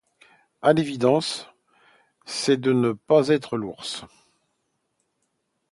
À l'évidence c'est de ne pas être l'ours.